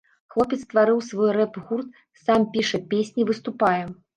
Хлопец стварыў свой рэп-гурт, сам піша песні, выступае.